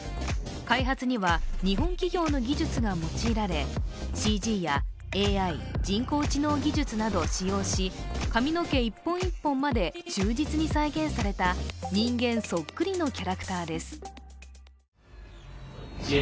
開発には日本企業の技術が用いられＣＧやＡＩ＝人工知能技術などを使用し髪の毛一本一本まで忠実に再現された人間そっくりのキャラクターです。